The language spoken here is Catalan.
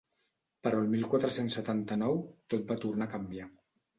Però el mil quatre-cents setanta-nou tot va tornar a canviar.